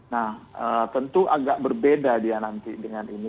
nah tentu agak berbeda dia nanti dengan ini